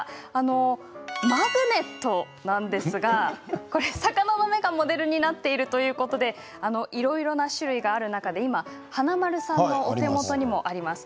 マグネットなんですが魚の目がモデルになっているということでいろいろな種類がある中で華丸さんのお手元にもあります